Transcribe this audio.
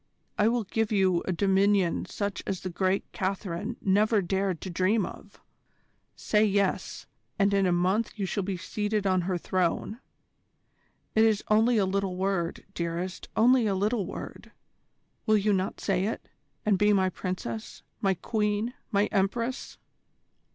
I will give you a dominion such as the great Catherine never dared to dream of. Say yes, and in a month you shall be seated on her throne. It is only a little word, dearest, only a little word will you not say it, and be my Princess, my Queen, my Empress?"